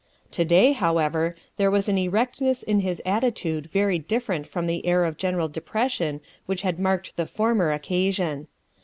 To day, however, there was an erectness in his attitude very different from the air of general depression which had marked the former occasion.